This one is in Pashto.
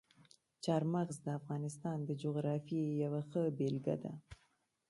چار مغز د افغانستان د جغرافیې یوه ښه بېلګه ده.